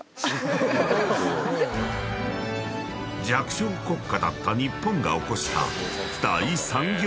［弱小国家だった日本が起こした］